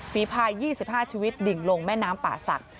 ฝีภาย๒๕ชีวิตดิ่งลงแม่น้ำป่าศักดิ